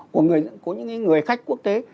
của những người khách quốc tế